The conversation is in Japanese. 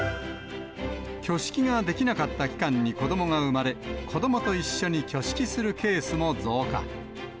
挙式ができなかった期間に子どもが産まれ、子どもと一緒に挙式するケースも増加。